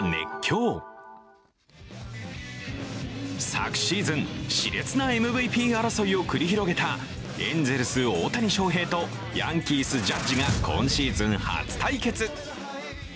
昨シーズン、しれつなＭＶＰ争いを繰り広げたエンゼルス・大谷翔平とヤンキース・ジャッジが今シーズン初対決。